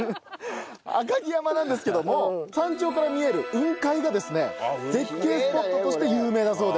赤城山なんですけども山頂から見える雲海がですね絶景スポットとして有名だそうで。